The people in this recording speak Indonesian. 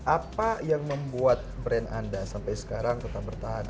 apa yang membuat brand anda sampai sekarang tetap bertahan